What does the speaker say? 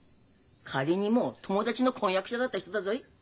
仮にも友達の婚約者だった人だぞい。